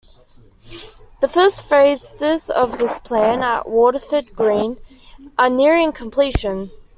The first phases of this plan, at Waterford Green, are nearing completion.